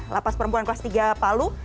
lapas perempuan kelas tiga palu